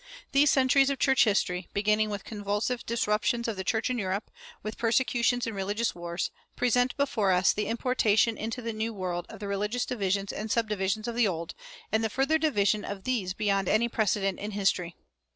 These centuries of church history, beginning with convulsive disruptions of the church in Europe, with persecutions and religious wars, present before us the importation into the New World of the religious divisions and subdivisions of the Old, and the further division of these beyond any precedent in history.